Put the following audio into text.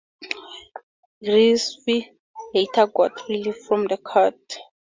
Rizvi later got relief from the court.